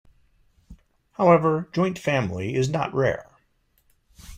However, joint family is not rare.